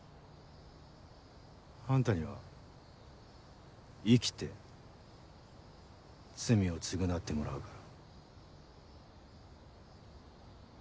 あんたには生きて罪を償ってもらうから。